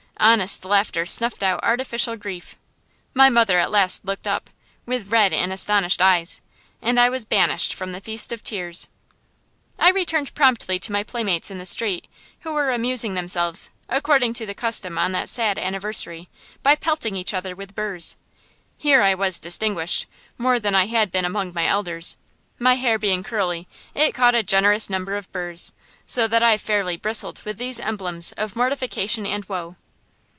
Honest laughter snuffed out artificial grief. My mother at last looked up, with red and astonished eyes, and I was banished from the feast of tears. I returned promptly to my playmates in the street, who were amusing themselves, according to the custom on that sad anniversary, by pelting each other with burrs. Here I was distinguished, more than I had been among my elders. My hair being curly, it caught a generous number of burrs, so that I fairly bristled with these emblems of mortification and woe.